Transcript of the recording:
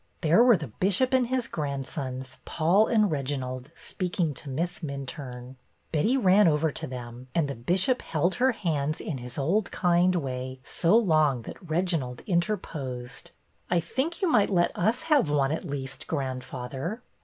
There were the bishop and his grandsons, Paul and Reginald, speaking to Miss Minturne. Betty ran over to them, and the bishop held her hands, in his old kind way, so long that Regi nald interposed: I think you might let us have one, at least, grandfather."